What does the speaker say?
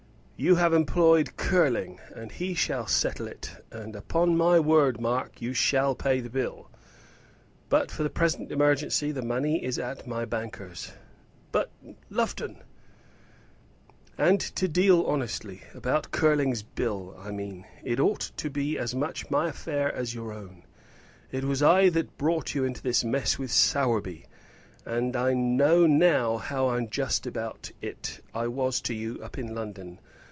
You have employed Curling, and he shall settle it; and upon my word, Mark, you shall pay the bill. But, for the present emergency, the money is at my banker's." "But, Lufton " "And to deal honestly, about Curling's bill I mean, it ought to be as much my affair as your own. It was I that brought you into this mess with Sowerby, and I know now how unjust about it I was to you up in London.